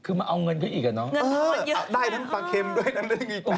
คือมาเอาเงินขึ้นอีกอะเนอะเออได้ทั้งปลาเค็มด้วยทั้งเงินขึ้นอีก๑๕๐บาท